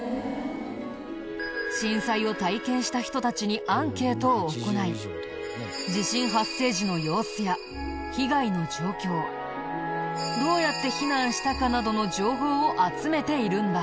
震災を体験した人たちにアンケートを行い地震発生時の様子や被害の状況どうやって避難したかなどの情報を集めているんだ。